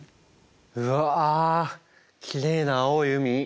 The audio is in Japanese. うわきれいな青い海。